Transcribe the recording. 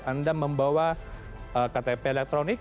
anda membawa ktp elektronik